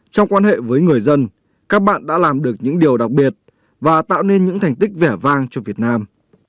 trong quan hệ với người dân các bạn đã làm được những điều đặc biệt và tạo nên những thành tích vẻ vang cho việt nam